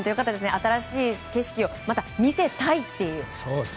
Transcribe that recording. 新しい景色をまた見せたいという。